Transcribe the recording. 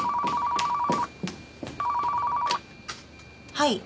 はい。